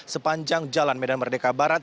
sepanjang jalan medan merdeka barat